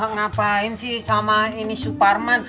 ngapain sih sama ini suparman